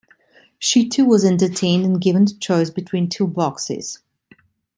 She too was entertained and given the choice between two boxes.